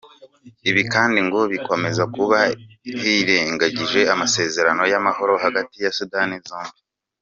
Ibi kandi ngo bikomeza kuba hirengagijwe amasezerano y’Amahoro hagati ya Sudani zombi .